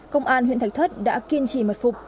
công an huyện thạch thất đã kiên trì mật phục